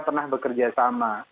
pernah bekerja sama